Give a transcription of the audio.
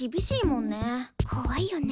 怖いよね。